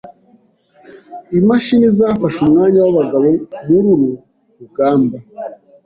Imashini zafashe umwanya wabagabo mururu ruganda.